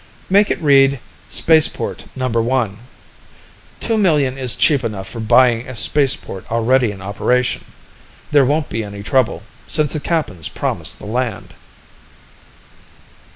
"Make it read 'Spaceport Number 1.' Two million is cheap enough for buying a spaceport already in operation. There won't be any trouble, since the Kappans promised the land."